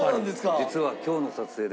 実は今日の撮影でも。